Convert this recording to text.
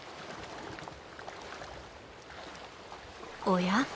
おや？